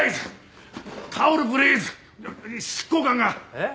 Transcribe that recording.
えっ？